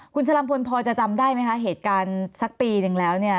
คุณชะลำพลพอจะจำได้ไหมคะเหตุการณ์สักปีนึงแล้วเนี่ย